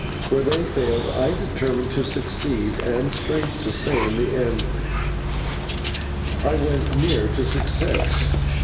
Where they failed I determined to succeed, and, strange to say, in the end I went near to success.